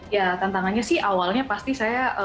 ya tantangannya sih awalnya pasti saya